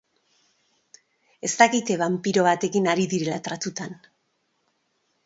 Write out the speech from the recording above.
Ez dakite banpiro batekin ari direla tratutan.